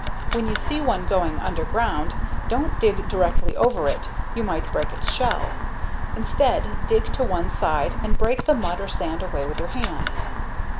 When you see one going underground, don't dig directly over it you might break its shell. Instead, dig to one side, and break the mud or sand away with your hands.